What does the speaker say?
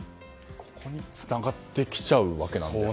ここにつながってきちゃうわけなんですか。